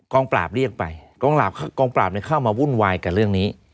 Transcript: ปราบเรียกไปกองปราบกองปราบเข้ามาวุ่นวายกับเรื่องนี้